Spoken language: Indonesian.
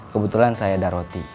kebetulan saya ada roti